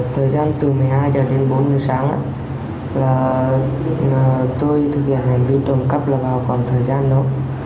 thời gian từ một mươi hai h đến bốn h sáng tôi thực hiện hành vi trộm cắp vào khoảng thời gian đó